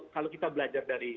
kalau kita belajar dari